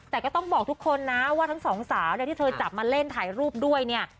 แต่ก็ต้องบอกทุกคนนะว่าทั้งสองสาวเนี่ยที่เธอจับมาเล่นถ่ายรูปด้วยเนี่ย